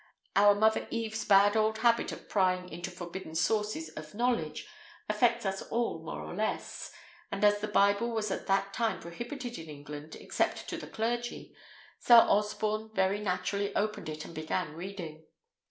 Our mother Eve's bad old habit of prying into forbidden sources of knowledge affects us all more or less; and as the Bible was at that time prohibited in England, except to the clergy, Sir Osborne very naturally opened it and began reading.